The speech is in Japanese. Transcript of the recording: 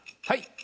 はい。